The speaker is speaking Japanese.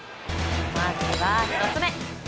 まずは１つ目。